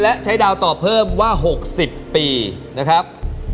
และใช้ดาวตอบเพิ่มว่า๖๐ปีนะครับ